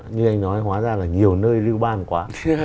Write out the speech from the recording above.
như anh nói hóa ra là nhiều nơi lưu ban quá